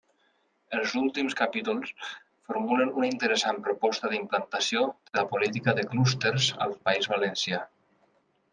Els últims capítols formulen una interessant proposta d'implantació de la política de clústers al País Valencià.